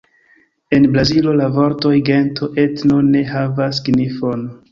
En Brazilo la vortoj gento, etno ne havas signifon.